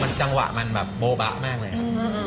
มันจังหวะมันโบบะมากเลยครับ